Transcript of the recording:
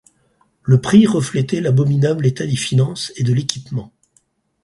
Le prix reflétait l'abominable état des finances et de l'équipement.